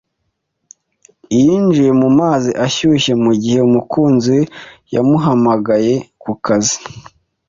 Yinjiye mumazi ashyushye mugihe umukunzi we yamuhamagaye kukazi.